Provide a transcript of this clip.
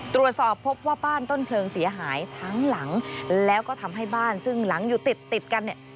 ตรวจสอบพบว่าบ้านต้นเพลิงเสียหายทั้งหลังแล้วก็ทำให้บ้านซึ่งหลังอยู่ติดติดกันเนี่ย